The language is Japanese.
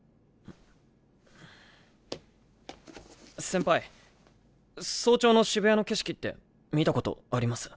先輩早朝の渋谷の景色って見たことあります？